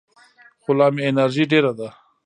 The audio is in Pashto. خو لا مې انرژي ډېره ده.